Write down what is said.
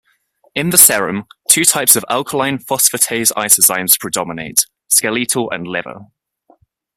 In the serum, two types of alkaline phosphatase isozymes predominate: skeletal and liver.